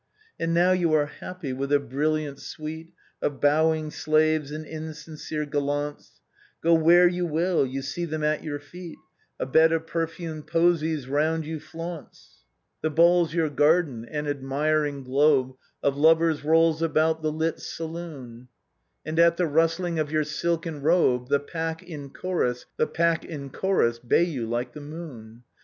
" And now you are happy, with a brilliant suite Of bowing slaves and insincere gallants; Go where you will, you see them at your feet; A bed of perfumed posies round you flaunts: 314 THE BOHEMIANS OF THE LATIN QUAETEE. " The Ball's your garden : an admiring globe Of lovers rolls about the lit saloon, And, at the rustling of your silken robe, The pack, in chorus, bay you like the moon.